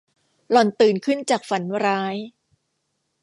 หล่อนตื่นขึ้นจากฝันร้าย